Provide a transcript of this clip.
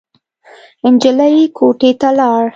نجلۍ کوټې ته لاړ.